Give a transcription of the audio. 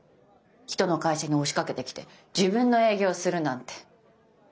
人の会社に押しかけてきて自分の営業するなんて信じられない。